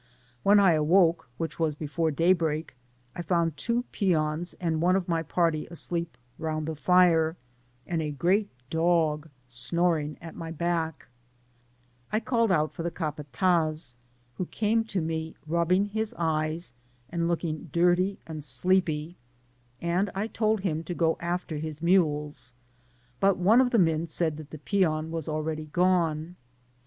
When I awoke, which was ddbre daybreak, I found two peons and one of my party asleep round the fire, and a great dog snoring at my back* I called out for the capatdz, who came to me rubUng his eyes, and looking dirty and deepy, and I told him to go after his mules ; but one of the mm said that the peon was already gone.